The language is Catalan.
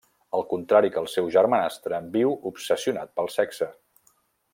Al contrari que el seu germanastre, viu obsessionat pel sexe.